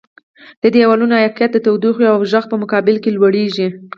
د دیوالونو عایقیت د تودوخې او غږ په مقابل کې لوړیږي.